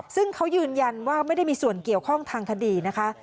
ซึ่งเขายืนยันว่าไม่ได้มีส่วนเกี่ยวข้องทางคดีนะคะ